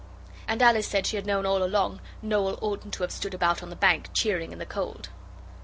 And Alice said she had known all along Noel oughtn't to have stood about on the bank cheering in the cold.